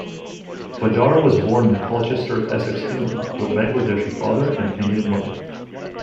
Badar was born in Colchester, Essex, England to a Bangladeshi father and Indian mother.